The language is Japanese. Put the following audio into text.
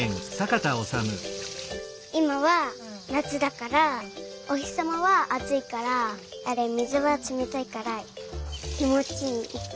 いまはなつだからおひさまはあついから水がつめたいからきもちいい。